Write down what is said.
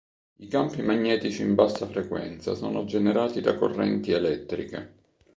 I campi magnetici in bassa frequenza sono generati da correnti elettriche.